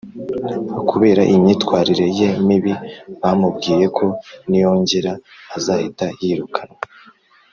Kubera imyitwarire ye mibi bamubwiye ko niyongera azahita yirukanwa